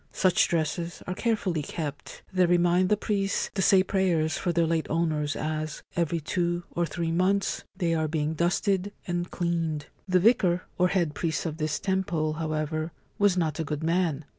Such dresses are carefully kept ; they remind the priests to say prayers for their late owners as, every two or three months, they are being dusted and cleaned. The Vicar or Head Priest of this temple, however, was not a good man.